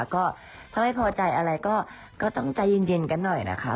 ก็ถ้าไม่พอใจอะไรก็ต้องใจเย็นกันหน่อยนะคะ